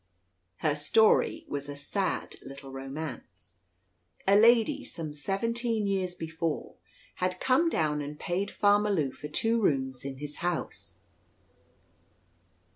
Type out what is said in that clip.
Her story was a sad little romance. A lady some seventeen years before had come down and paid Farmer Lew for two rooms in his house.